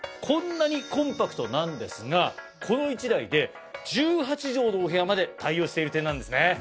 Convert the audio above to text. こんなにコンパクトなんですがこの１台で１８畳のお部屋まで対応している点なんですね。